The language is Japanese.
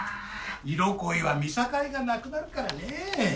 色恋は見境がなくなるからね。